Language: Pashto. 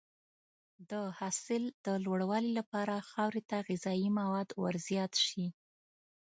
د حاصل د لوړوالي لپاره خاورې ته غذایي مواد ورزیات شي.